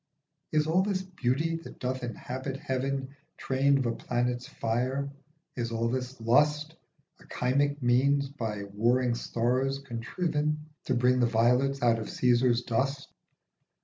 Is all this beauty that doth inhabit heaven Train of a planet's fire ? Is all this lust A chymic means by warring stars contriven To bring the violets out of Caesar's dust